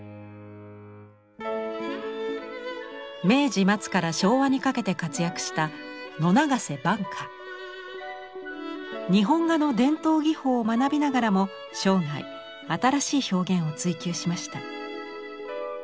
明治末から昭和にかけて活躍した日本画の伝統技法を学びながらも生涯新しい表現を追求しました。